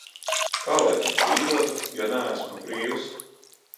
Kā lai viņi dzīvotu, ja neesmu brīvs?